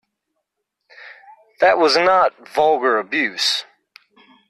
That was not vulgar abuse.